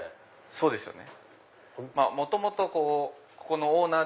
そうですね